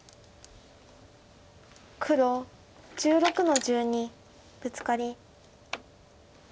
黒１６の十二ブツカリ。